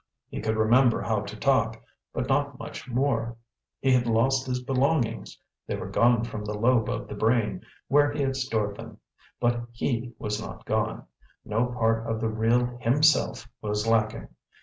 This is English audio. He could remember how to talk, but not much more. He had lost his belongings they were gone from the lobe of the brain where he had stored them; but HE was not gone, no part of the real HIMSELF was lacking.